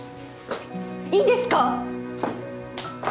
いいんですか！？